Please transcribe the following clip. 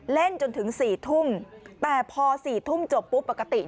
เล่นจนถึง๔ทุ่มแต่พอ๔ทุ่มจบปุ๊บปกติ